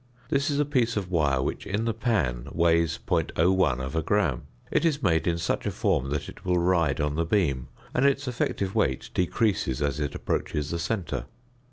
This is a piece of wire which in the pan weighs 0.01 gram; it is made in such a form that it will ride on the beam, and its effective weight decreases as it approaches the centre.